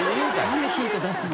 なんでヒント出すの？